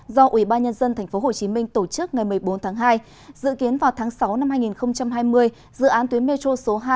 do ubnd tp hcm tổ chức ngày một mươi bốn tháng hai dự kiến vào tháng sáu năm hai nghìn hai mươi dự án tuyến metro số hai